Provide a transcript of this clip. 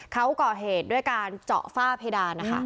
เขาก่อเหตุด้วยการเจาะฝ้าเพดานนะคะ